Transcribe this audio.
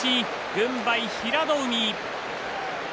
軍配は平戸海。